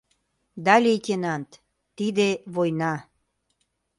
Да, лейтенант, тиде — война!